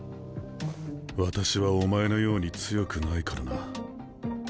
私はお前のように強くないからな。